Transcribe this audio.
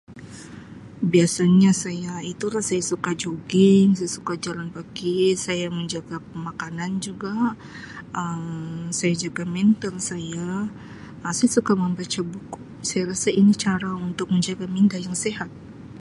Biasanya saya [unintelligible] saya suka jogging saya suka jalan kaki saya menjaga pemakanan juga Um saya jaga mentem saya Um suka membaca buku saya rasa ini cara untuk menjaga minda yang sihat.